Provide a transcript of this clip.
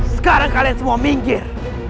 sekarang kalian semua minggir